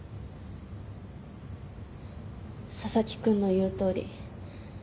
佐々木くんの言うとおり。